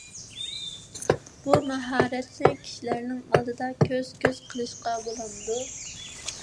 بۇ ماھارەتنى كىشىلەرنىڭ ئالدىدا كۆز - كۆز قىلىشقا بولامدۇ؟